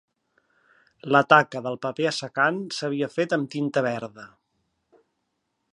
La taca del paper assecant s'havia fet amb tinta verda.